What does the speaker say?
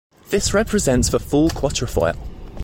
This represents the full quatrefoil.